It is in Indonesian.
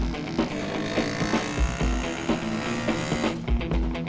bajak pak motor